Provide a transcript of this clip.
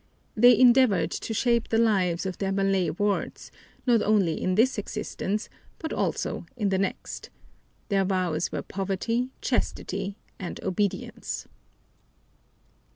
They endeavored to shape the lives of their Malay wards not only in this existence but also in the next. Their vows were poverty, chastity, and obedience.